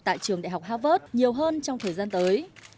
tại trường đại học harvard nhiều hơn trong thời gian tới